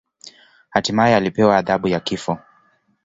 Hatimaye alipewa adhabu ya kifo.